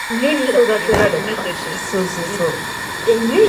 Үзебез гаепле.